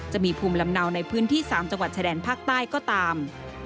จะมีภูมิลำเนาในพื้นที่๓จังหวัดชายแดนภาคใต้ก็ตาม